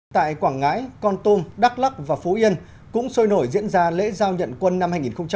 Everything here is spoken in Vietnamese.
tại quảng ngãi con tôm đắk lắc và phú yên cũng sôi nổi diễn ra lễ giao nhận quân năm hai nghìn một mươi bảy